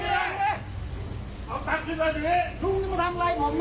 เอาตากขึ้นมานี่ลุงจะมาทำไรผมเนี่ย